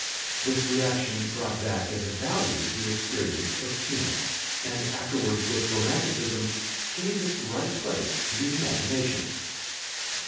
This reaction brought back as a value the experience of feeling, and afterwards with Romanticism gave its right place to the imagination.